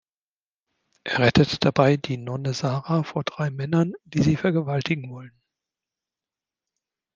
Er rettet dabei die Nonne Sara vor drei Männern, die sie vergewaltigen wollen.